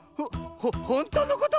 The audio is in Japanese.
ほほんとうのこと⁉